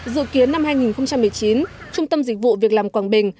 dự kiến năm hai nghìn một mươi chín trung tâm dịch vụ việc làm quảng bình